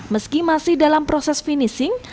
meski masih dalam proses finishing